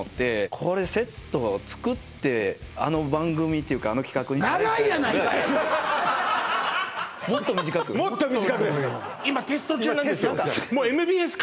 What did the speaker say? これセット作ってあの番組っていうかあの企画にもっと短くです